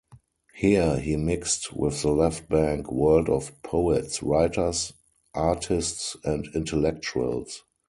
Here he mixed with the Left Bank world of poets, writers, artists and intellectuals.